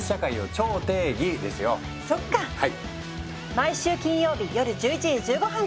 毎週金曜日夜１１時１５分から！